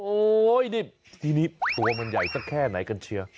โอ๊ยนี่ทีนี้ตัวมันใหญ่สักแค่ไหนกันเชียร์